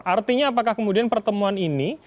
artinya apakah kemudian pertemuan ini